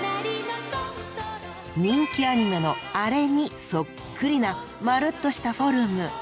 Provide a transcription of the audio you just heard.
人気アニメのアレにそっくりな丸っとしたフォルム。